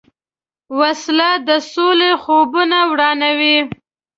وسله د سولې خوبونه ورانوي